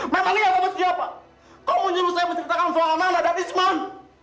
mata liat kamu siapa kamu nyuruh saya menceritakan soal nana dan isman